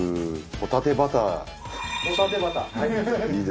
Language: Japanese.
ホタテバターはい。